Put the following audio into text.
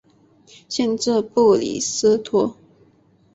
县治布里斯托。